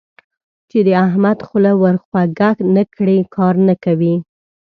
چې د احمد خوله ور خوږه نه کړې؛ کار نه کوي.